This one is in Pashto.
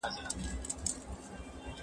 چای لږ وڅښئ.